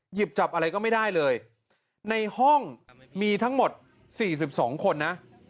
หยิบจับอะไรก็ไม่ได้เลยในห้องมีทั้งหมด๔๒คนนะ